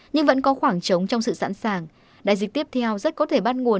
nhưng vẫn có khoảng trống trong sự sẵn sàng đại dịch tiếp theo rất có thể bắt nguồn